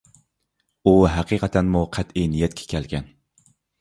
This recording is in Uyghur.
ئۇ ھەقىقەتەنمۇ قەتئىي نىيەتكە كەلگەن.